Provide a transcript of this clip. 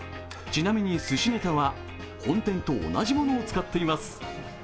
ちなみにすしネタは本店と同じものを使っています。